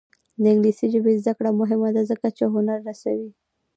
د انګلیسي ژبې زده کړه مهمه ده ځکه چې هنر رسوي.